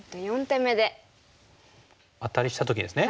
アタリした時ですね。